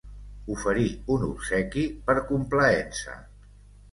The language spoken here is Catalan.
Oferir un obsequi per complaença.